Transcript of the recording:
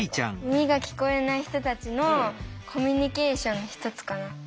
耳が聞こえない人たちのコミュニケーションの一つかなって。